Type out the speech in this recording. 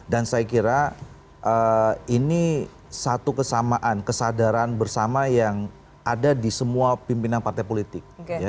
dan saya kira ini satu kesamaan kesadaran bersama yang ada di semua pimpinan partai politik